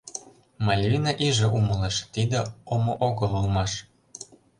Мальвина иже умылыш, тиде омо огыл улмаш.